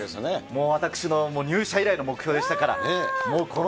もう私の入社以来の目標でしたから。